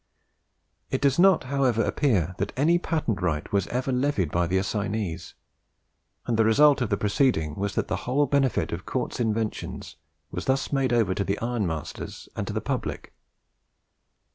It does not however appear that any patent right was ever levied by the assignees, and the result of the proceeding was that the whole benefit of Cort's inventions was thus made over to the ironmasters and to the public.